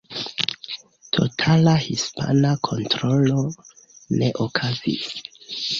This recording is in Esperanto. Totala hispana kontrolo ne okazis.